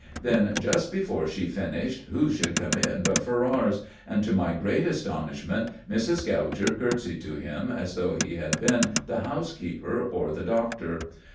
Then, just before she finished, who should come in but Ferrars, and, to my great astonishment, Mrs. Gouger courtesied to him as though he had been the housekeeper or the Doctor.